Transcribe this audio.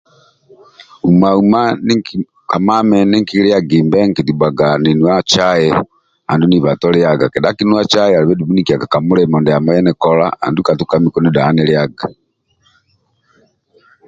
Uma uma ndiki ka mami ndinkiliagimbe nkiddubhaga ninuwa cai andu niba to liaga kedha kinuwa cai andulu dumbi ndie nkiyaga ka mulimo ndiamo niya nikola andulu katukamiku nidola niliaga.